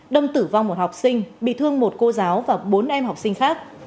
đâm tử vong một học sinh bị thương một cô giáo và bốn em học sinh khác